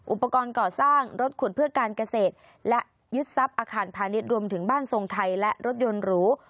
อุปกรณ์ก่อสร้างรถขุดเพื่อการเกษตรและยึดทรัพย์อาคารพาณิชย์รวมถึงบ้านทรงไทยและรถยนต์หรู